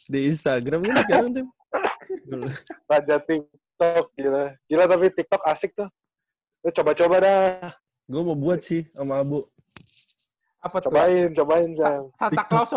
di instagram kan sekarang tem